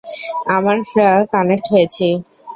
আমরা কানেক্ট হয়েছি।